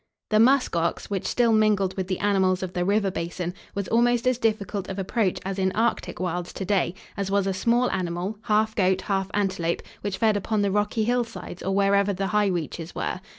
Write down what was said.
The musk ox, which still mingled with the animals of the river basin, was almost as difficult of approach as in arctic wilds to day, as was a small animal, half goat, half antelope, which fed upon the rocky hillsides or wherever the high reaches were.